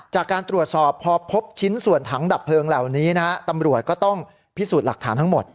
จากการตรวจสอบพอพบชิ้นส่วนถังดับเพลิงเหล่านี้นะฮะตำรวจก็ต้องพิสูจน์หลักฐานทั้งหมด